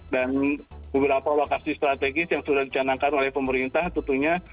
dan beberapa lokasi strategis yang sudah dicanangkan oleh pemerintah tentunya